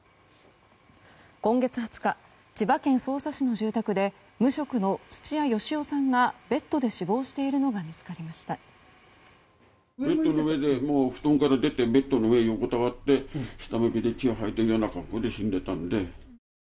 今月２０日千葉県匝瑳市の住宅で無職の土屋好夫さんがベッドで死亡しているのが見つかりました。